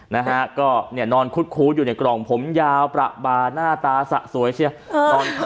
นะฮะก็เนี่ยนอนคุดคู้อยู่ในกล่องผมยาวประบาหน้าตาสะสวยเชียว